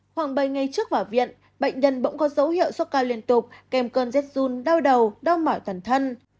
khoảng bảy ngày trước vào viện bệnh nhân bỗng có dấu hiệu sốc cao liên tục kèm cơn dết run đau đầu đau mỏi tần thân